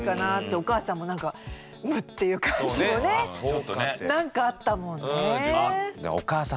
お母さんもなんかムッていう感じもねなんかあったもんね。